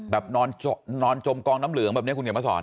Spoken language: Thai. นอนจมกองน้ำเหลืองแบบนี้คุณเขียนมาสอน